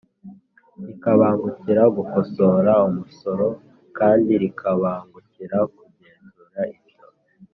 Rikabangukira gukosora umusoro kandi rikabangukira kugenzura ibyo